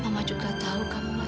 mama juga tahu kamu ga sengaja